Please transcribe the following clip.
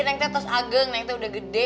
neng teh tos ageng neng teh udah gede